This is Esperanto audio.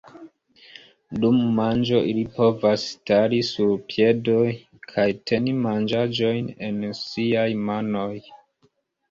Dum manĝo ili povas stari sur piedoj kaj teni manĝaĵojn en siaj manoj.